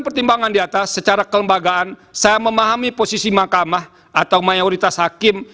pertimbangan di atas secara kelembagaan saya memahami posisi mahkamah atau mayoritas hakim